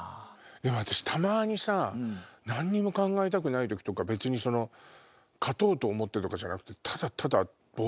でも私たまにさ何にも考えたくない時とか別に勝とうと思ってとかじゃなくて。